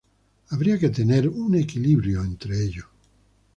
Habría que tener un equilibrio entre ello.